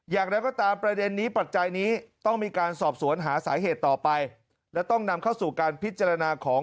อย่างไรก็ตามประเด็นนี้ปัจจัยนี้ต้องมีการสอบสวนหาสาเหตุต่อไปและต้องนำเข้าสู่การพิจารณาของ